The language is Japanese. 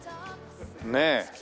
ねえ。